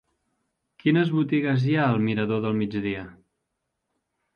Quines botigues hi ha al mirador del Migdia?